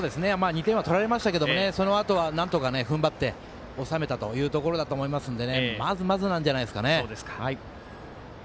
２点は取られましたけどそのあとはなんとかふんばって収めたというところだと思いますのでこれから